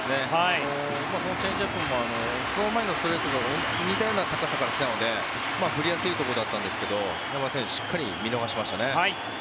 そのチェンジアップもその前のストレートと似たような高さから来たので振りやすいところだったんですけど山田選手しっかり見逃しましたね。